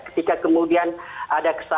ketika kemudian ada kesalahan